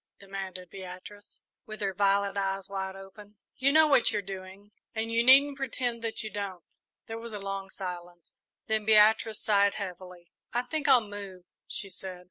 demanded Beatrice, with her violet eyes wide open. "You know what you're doing, and you needn't pretend that you don't." There was a long silence, then Beatrice sighed heavily. "I think I'll move," she said.